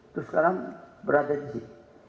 terus sekarang berada di sini